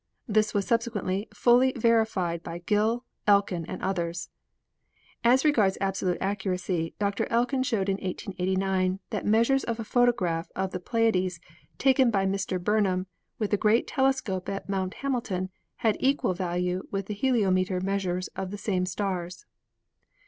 This was subsequently fully verified by Gill, Elkin and others. As regards absolute accuracy Dr. Elkin showed in 1889 that measures of a photograph of the Pleiades taken by Mr. Burnham, with the great telescope at Mount Hamilton, had equal value with the heliometer measures of the same stars."